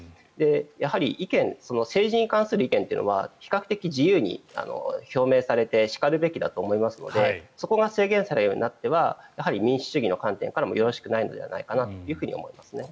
やはり意見政治に関する意見というのは比較的自由に表明されてしかるべきだと思いますのでそこが制限されるようになっては民主主義の観点からもよろしくないのではないのかなと思っていますね。